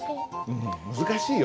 うん難しいよ。